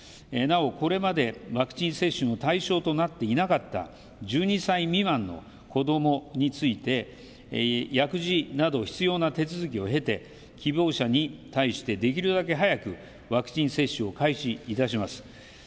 なおこれまでワクチン接種の対象となっていなかった１２歳未満の子どもについて薬事など必要な手続きを経て希望者に対してできるだけ早くワクチン接種を開始いたします。